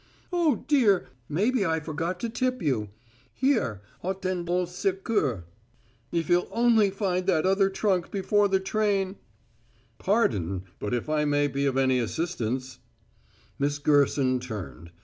"Oh, dear; maybe I forgot to tip you. Here, attende au secours, if you'll only find that other trunk before the train " "Pardon; but if I may be of any assistance " Miss Gerson turned.